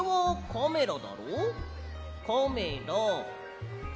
カメラ。